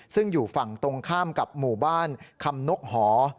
ซึ่งอยู่ฝั่งตรงข้ามกับหมู่บ้านคำนกหอ